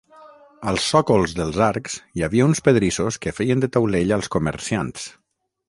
Als sòcols dels arcs hi havia uns pedrissos que feien de taulell als comerciants.